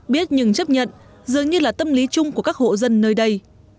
biết nhưng chấp nhận dường như là tâm lý chung của các hộ dân nơi đây